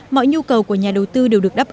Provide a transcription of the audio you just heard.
mọi nhu cầu của nhà đầu tư đều được đắp